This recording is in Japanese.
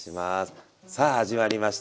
さあ始まりました。